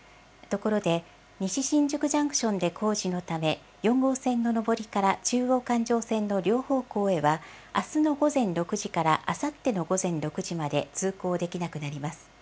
ところで、西新宿ジャンクションで工事のため、４号線の上りから中央環状線の両方向へはあすの午前６時からあさっての午前６時まで、通行できなくなります。